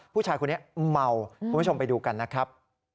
ผู้ชายคนนี้เมาคุณผู้ชมไปดูกันนะครับ